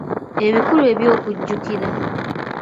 Ebikulu eby’okujjukira